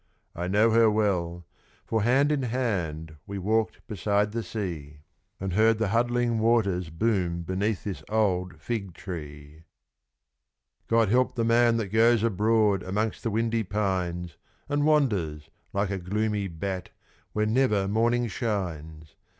I know her well, for hand in hand we walked beside the sea, And heard the huddling waters boom beneath this old Figtree. God help the man that goes abroad amongst the windy pines, And wanders, like a gloomy bat, where never morning shines!